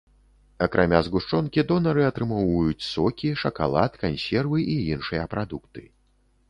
Акрамя згушчонкі донары атрымоўваюць сокі, шакалад, кансервы і іншыя прадукты.